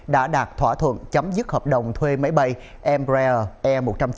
đã đạt thỏa thuận chấm dứt hợp đồng thuê máy bay embraer e một trăm chín mươi